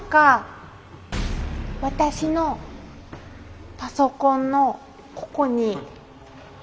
私のパソコンのここに。